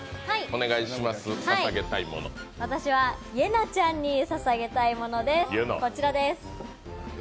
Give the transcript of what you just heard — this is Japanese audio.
私はイェナちゃんにささげたいもの、こちらです。